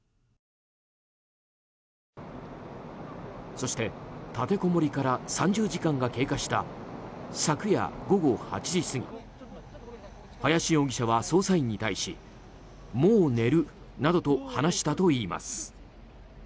そして、立てこもりから３０時間が経過した昨夜午後８時過ぎ林容疑者は捜査員に対しもう寝るなどと話したといいます。